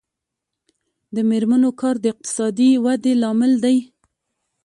د میرمنو کار د اقتصادي ودې لامل دی.